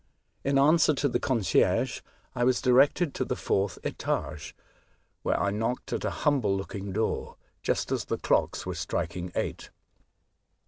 In answer to the concierge, I was directed to the fourth etage, where I knocked at a humble looking door just as the clocks were striking eight.